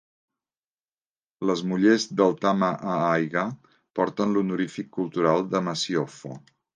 Les mullers del Tama-a-Aiga porten l'honorific cultural de "Masiofo".